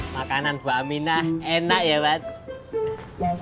makanan buah aminah enak ya pak